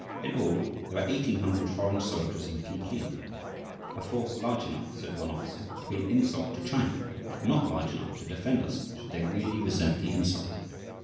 In all, there are eighteen hundred foreign soldiers in Peking, "a force large enough," said one officer, "to be an insult to China, but not large enough to defend us should they really resent the insult."